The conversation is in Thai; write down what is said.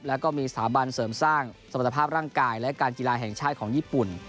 แล้วก็มีสถาบันเสริมสร้างสมรรถภาพร่างกายและการกีฬาแห่งชาติของญี่ปุ่น